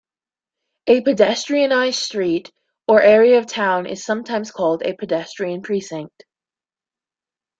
A pedestrianised street or area of a town is sometimes called a "pedestrian precinct".